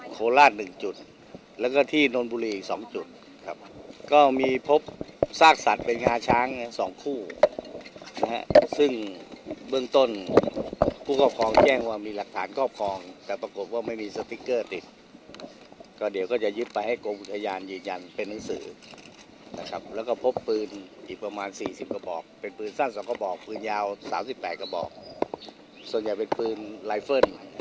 โคราช๑จุดแล้วก็ที่นนบุรีอีกสองจุดครับก็มีพบซากสัตว์เป็นงาช้างสองคู่นะฮะซึ่งเบื้องต้นผู้ครอบครองแจ้งว่ามีหลักฐานครอบครองแต่ปรากฏว่าไม่มีสติ๊กเกอร์ติดก็เดี๋ยวก็จะยึดไปให้กรมอุทยานยืนยันเป็นหนังสือนะครับแล้วก็พบปืนอีกประมาณสี่สิบกระบอกเป็นปืนสั้นสองกระบอกปืนยาว๓๘กระบอกส่วนใหญ่เป็นปืนไลเฟิล